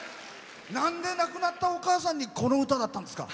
なんで亡くなったお母さんにこの歌だったんですか？